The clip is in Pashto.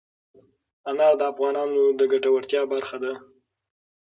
انار د افغانانو د ګټورتیا برخه ده.